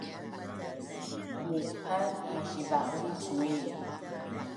mu’haz masiva’un cui